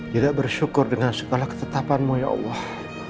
tidak bersyukur dengan segala ketetapanmu ya allah